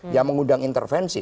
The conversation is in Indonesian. yang mengundang intervensi